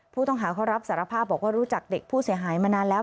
ผู้ต้องหาเขารับสารภาพบอกว่ารู้จักเด็กผู้เสียหายมานานแล้ว